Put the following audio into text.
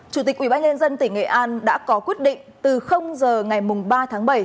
chủ tịch ubnd tỉnh nghệ an đã có quyết định từ giờ ngày ba tháng bảy